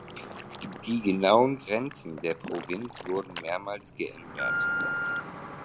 Die genauen Grenzen der Provinz wurden mehrmals geändert.